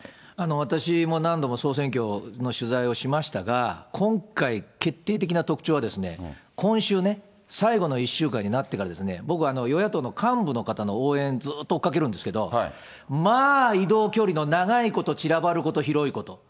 私も何度も総選挙の取材をしましたが、今回、決定的な特徴は、今週ね、最後の１週間になってからですね、僕は与野党の幹部の方の応援、ずっと追っかけるんですけど、まあ、移動距離の長いこと、散らばること、広いこと。